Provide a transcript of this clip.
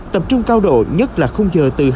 tập trung cao độ nhất là không giờ từ hai mươi ba h